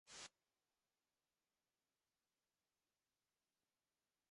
შენობა ძლიერ დაზიანებულია.